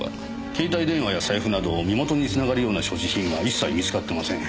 携帯電話や財布など身元につながるような所持品は一切見つかってません。